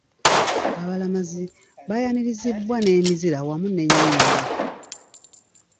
Abalamazi baayanirizibwa n'emizira wamu n'ennyimba.